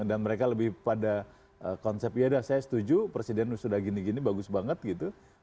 dan mereka lebih pada konsep ya sudah saya setuju presiden sudah gini gini bagus banget gitu